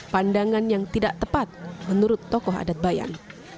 pandangan yang tidak tepat menurut tokoh adat bayan